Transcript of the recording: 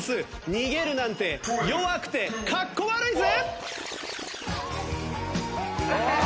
逃げるなんて弱くてかっこ悪いぜ！